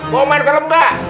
mau main film gak